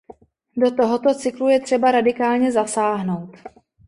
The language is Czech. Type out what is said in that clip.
Do tohoto cyklu je třeba radikálně zasáhnout.